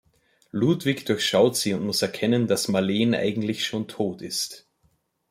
Ludwig durchschaut sie und muss erkennen, dass Maleen eigentlich schon tot ist.